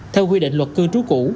theo quy định luật cư trú cũ